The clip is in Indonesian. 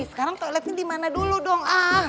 sekarang toiletnya di mana dulu dong